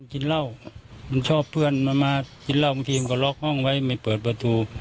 กินเหล้ามันชอบเพื่อนมันมากินเหล้าบางทีมันก็ล็อกห้องไว้ไม่เปิดประตู